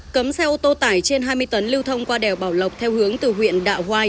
cấm xe ô tô tải trên hai mươi tấn lưu thông qua đèo bảo lộc theo hướng từ huyện đạo hoai